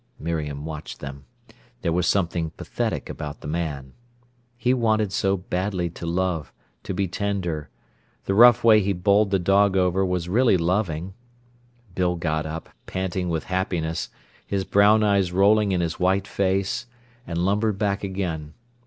Miriam watched them. There was something pathetic about the man. He wanted so badly to love, to be tender. The rough way he bowled the dog over was really loving. Bill got up, panting with happiness, his brown eyes rolling in his white face, and lumbered back again.